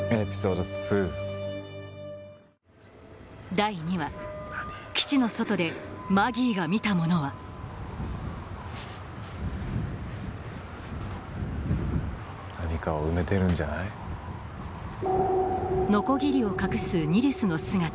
第２話基地の外でマギーが見たものは何かを埋めてるんじゃない？の姿